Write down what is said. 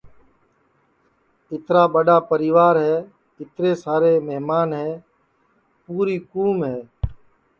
اِترا ٻڈؔا پریوار ہے اِترے سارے مہمان ہے پُوری کُوم ہے